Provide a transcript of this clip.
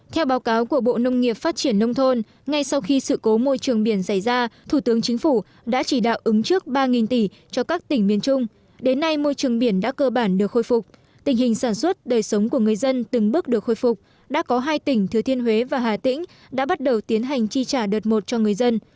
theo báo cáo của bộ nông nghiệp phát triển nông thôn ngay sau khi sự cố môi trường biển xảy ra thủ tướng chính phủ đã chỉ đạo ứng trước ba tỷ cho các tỉnh miền trung đến nay môi trường biển đã cơ bản được khôi phục tình hình sản xuất đời sống của người dân từng bước được khôi phục đã có hai tỉnh thừa thiên huế và hà tĩnh đã bắt đầu tiến hành chi trả đợt một cho người dân